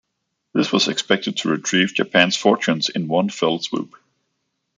This was expected to retrieve Japan's fortunes in one fell swoop.